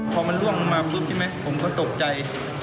พอมันล่วงมาปุ๊บใช่ไหมผมก็ตกใจ